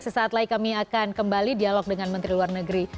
sesaat lagi kami akan kembali dialog dengan menteri luar negeri